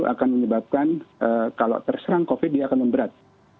itu akan menyebabkan kalau terserang covid sembilan belas dia akan memberat